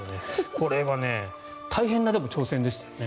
これはでも、大変な挑戦でしたよね。